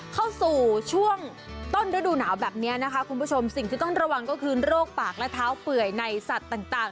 เข้าสู่ช่วงต้นฤดูหนาวแบบนี้นะคะคุณผู้ชมสิ่งที่ต้องระวังก็คือโรคปากและเท้าเปื่อยในสัตว์ต่าง